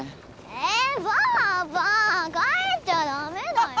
えばあば帰っちゃ駄目だよ。